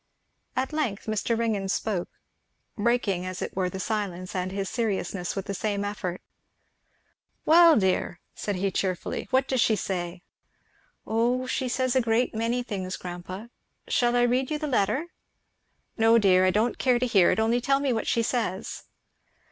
At length Mr. Ringgan spoke, breaking as it were the silence and his seriousness with the same effort. "Well dear!" said he cheerfully, "what does she say?" "O she says a great many things, grandpa; shall I read yon the letter?" "No dear, I don't care to hear it; only tell me what she says."